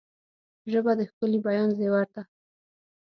ژبه د ښکلي بیان زیور ده